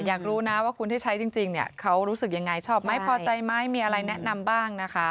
อยากรู้นะว่าคุณที่ใช้จริงเขารู้สึกยังไงชอบไหมพอใจไหมมีอะไรแนะนำบ้างนะคะ